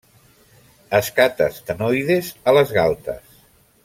Escates ctenoides a les galtes.